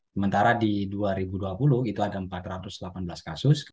sementara di dua ribu dua puluh itu ada empat ratus delapan belas kasus